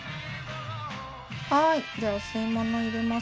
はいじゃあお吸い物入れます。